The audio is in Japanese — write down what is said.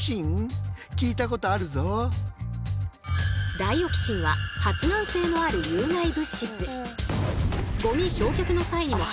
ダイオキシンは発がん性のある有害物質。